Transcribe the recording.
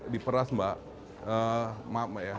di perah mbak maaf ya